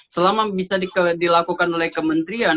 selama bisa dilakukan oleh kementerian